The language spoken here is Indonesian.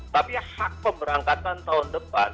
tapi hak pemberangkatan tahun depan